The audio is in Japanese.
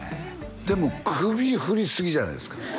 でも首振りすぎじゃないですか？